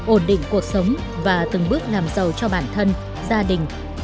ổn định cuộc sống và từng bước làm giàu cho bản thân gia đình